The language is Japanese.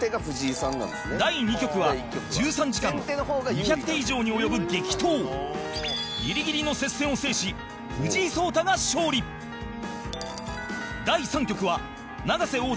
第２局は、１３時間２００手以上に及ぶ激闘ギリギリの接戦を制し藤井聡太が勝利第３局は永瀬王座